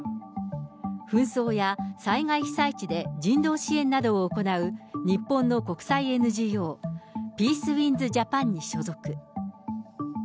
紛争や災害被災地で人道支援などを行う、日本の国際ＮＧＯピースウィンズ・ジャパンに所属。